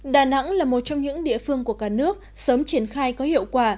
đà nẵng là một trong những địa phương của cả nước sớm triển khai có hiệu quả